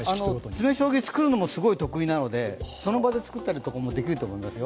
詰め将棋を作るのもすごい得意なのでその場で作ったりとかもできると思いますよ。